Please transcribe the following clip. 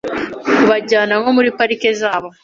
kubajyana nko muri parike zabo